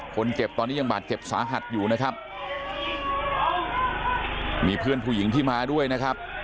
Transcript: คนเจ็บตอนนี้ยังบาดเจ็บสาหัสอยู่นะครับมีเพื่อนผู้หญิงที่มาด้วยนะครับ